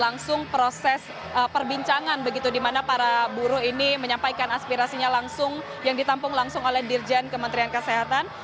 langsung proses perbincangan begitu di mana para buruh ini menyampaikan aspirasinya langsung yang ditampung langsung oleh dirjen kementerian kesehatan